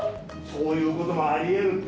そういうこともありえるって！